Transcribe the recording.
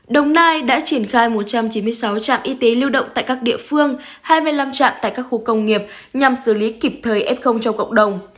đồng nai đã triển khai một trăm chín mươi sáu trạm y tế lưu động tại các địa phương hai mươi năm trạm tại các khu công nghiệp nhằm xử lý kịp thời f cho cộng đồng